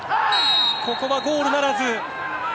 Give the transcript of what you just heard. ここはゴールならず！